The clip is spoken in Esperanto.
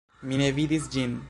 Mi ne vidis ĝin.